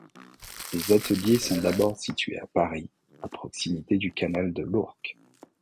Les ateliers sont d'abord situés à Paris, à proximité du canal de l'Ourcq.